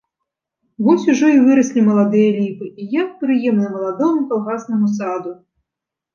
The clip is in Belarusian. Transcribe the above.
Вось ужо і выраслі маладыя ліпы і як прыемна маладому калгаснаму саду!